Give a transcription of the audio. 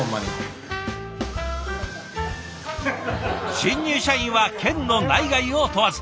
新入社員は県の内外を問わず。